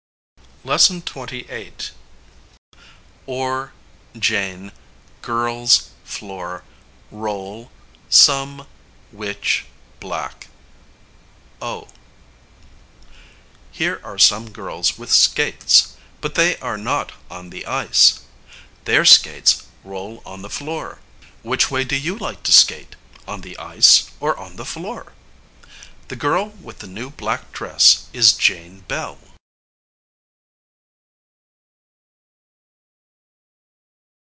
] LESSON XXVIII. or Jane girls floor roll some which black o Here are some girls with skates; but they are not on the ice. Their skates roll on the floor. Which way do you like to skate, on the ice, or on the floor? The girl with the new black dress is Jane Bell.